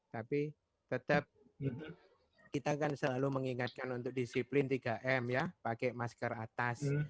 tapi tetap kita kan selalu mengingatkan untuk disiplin tiga m ya pakai masker atas